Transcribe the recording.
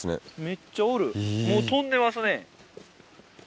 めっちゃおるもう飛んでますね。